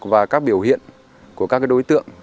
và các biểu hiện của các đối tượng